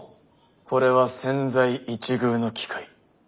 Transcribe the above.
これは千載一遇の機会。